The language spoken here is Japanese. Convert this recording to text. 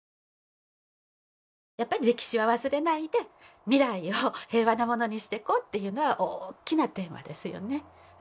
やっぱり歴史は忘れないで未来を平和なものにしていこうっていうのは大きなテーマですよね。